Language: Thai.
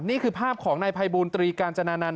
นี่คือภาพของนายภัยบูรตรีกาญจนานันต